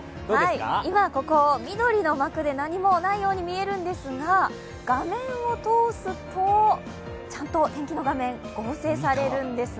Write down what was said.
今ここ、緑の膜で何もないように見えるんですが画面を通すとちゃんと天気の画面合成されます